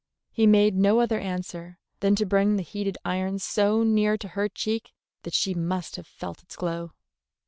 He made no other answer than to bring the heated iron so near to her cheek that she must have felt its glow.